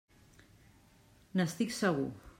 N'estic segur.